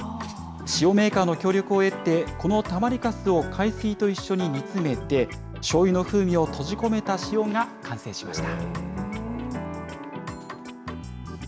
塩メーカーの協力を得て、このたまりかすを海水と一緒に煮詰めて、しょうゆの風味を閉じ込めた塩が完成しました。